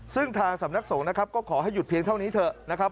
ซึ่งทางสำนักสงฆ์นะครับก็ขอให้หยุดเพียงเท่านี้เถอะนะครับ